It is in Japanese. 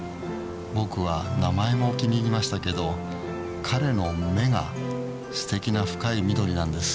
僕は名前も気に入りましたけど彼の目がすてきな深い緑なんです。